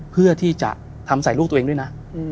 เพื่อที่จะทำใส่ลูกตัวเองด้วยนะ